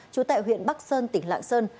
trú tại huyện bắc sơn tỉnh lạng sơn